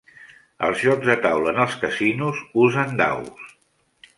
Els jocs de taula en els casinos usen daus.